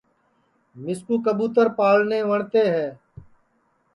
مِسکُو کئبوتر پاݪنے وٹؔتے ہے